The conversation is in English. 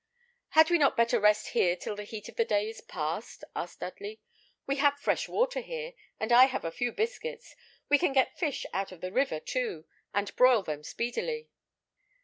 "Had we not better rest here till the heat of the day is passed?" asked Dudley. "We have fresh water here; and I have a few biscuits. We can get fish out of the river, too, and broil them speedily."